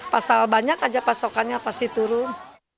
pasal banyak aja pasokannya pasti turun